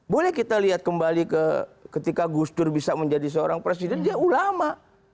boleh kita lihat kembali ketika gus dur bisa menjadi seorang presiden dia ulama